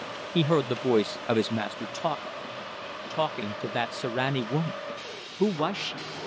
He heard the voice of his master talking. Talking to that Sirani woman! Who was she?